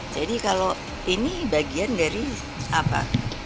jadi kalau ini bagian dari apa